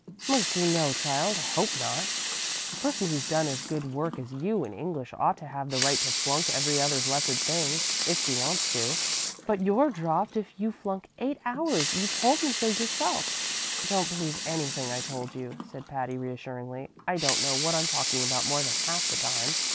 "Mercy, no, child; I hope not. A person who's done as good work as you in English ought to have the right to flunk every other blessed thing, if she wants to." "But you're dropped if you flunk eight hours; you told me so yourself." "Don't believe anything I told you," said Patty, reassuringly. "I don't know what I'm talking about more than half the time."